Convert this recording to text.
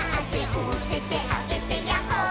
「おててあげてヤッホー」